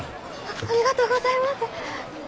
ありがとうございます。